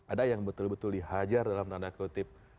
ada yang betul betul dihajar dalam tanda kutip